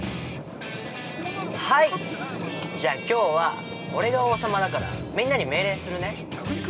◆はい、じゃあ、きょうは俺が王様だから、みんなに命令するね。